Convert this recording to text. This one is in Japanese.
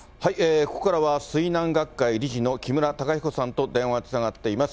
ここからは、水難学会理事の木村隆彦さんと電話つながっています。